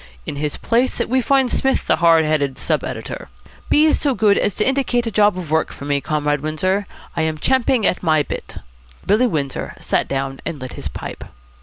In his place we find Psmith the hard headed sub editor. Be so good as to indicate a job of work for me, Comrade Windsor. I am champing at my bit." Billy Windsor sat down, and lit his pipe.